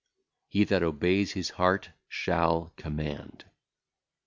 He that obeyeth his heart shall command.